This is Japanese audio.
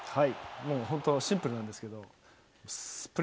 もう本当、シンプルなんです